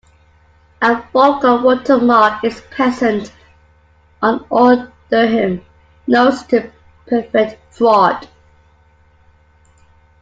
A falcon watermark is present on all dirham notes to prevent fraud.